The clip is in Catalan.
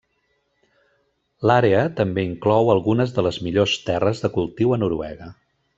L'àrea també inclou algunes de les millors terres de cultiu a Noruega.